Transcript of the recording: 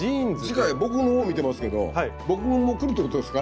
次回僕の方見てますけど僕も来るってことですか？